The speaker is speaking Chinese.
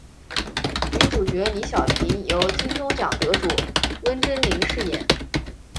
女主角李晓萍由金钟奖得主温贞菱饰演。